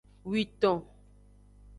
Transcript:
Witon.